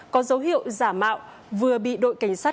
có dấu hiệu giả mạo vừa bị đội cảnh sát